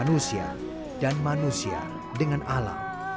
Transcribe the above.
manusia dan manusia dengan alam